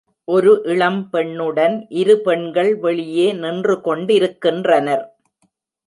ஒரு இளம்பெண்ணுடன் இரு பெண்கள் வெளியே நின்று கொண்டிருக்கின்றனர்.